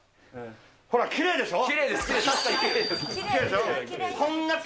ほら、きれいでしょ？